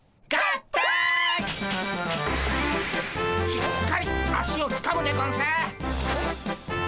しっかり足をつかむでゴンス。